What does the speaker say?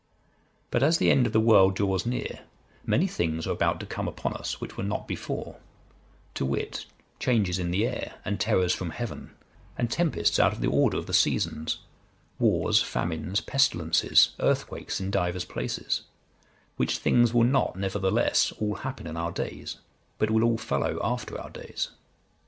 But as the end of the world draws near, many things are about to come upon us which were not before, to wit, changes in the air, and terrors from heaven, and tempests out of the order of the seasons, wars, famines, pestilences, earthquakes in divers places; which things will not, nevertheless, all happen in our days, but will all follow after our days.